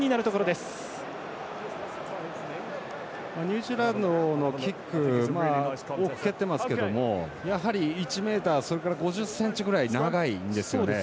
ニュージーランドのキック多く蹴ってますけど、やはり１ｍそれから５０ｃｍくらい長いんですよね。